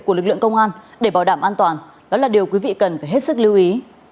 của lực lượng công an để bảo đảm an toàn đó là điều quý vị cần phải hết sức lưu ý